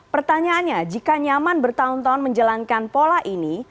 pertanyaannya jika nyaman bertahun tahun menjalankan pola ini